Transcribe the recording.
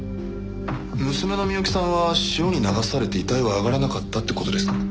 娘の美雪さんは潮に流されて遺体は上がらなかったって事ですか？